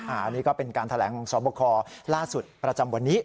อันนี้ก็เป็นการแถลงของสอบคอล่าสุดประจำวันนี้